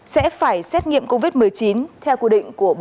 sẽ phải xét nghiệm covid một mươi chín